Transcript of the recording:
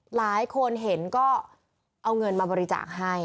หลายคนเห็นก็เอาเงินมาบริจาคให้